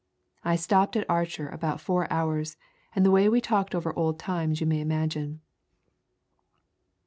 I stopped at Archer about four hours, and the way we talked ? over old times you may imagine."